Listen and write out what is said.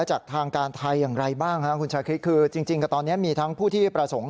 จากทางการไทยอย่างไรบ้างคุณชาคริสคือจริงกับตอนนี้มีทั้งผู้ที่ประสงค์